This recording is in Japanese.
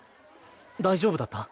大丈夫だった？